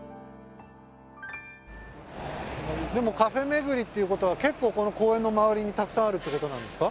でもカフェ巡りっていう事は結構この公園の周りにたくさんあるって事なんですか？